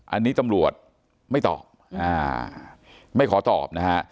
อันนี้ตำรวจไม่ตอบไม่ขอตอบนะฮะ